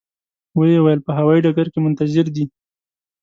و یې ویل په هوایي ډګر کې منتظر دي.